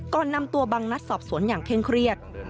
ก่อนนำตัวบังนัดสอบสวนอย่างเคร่งเครียด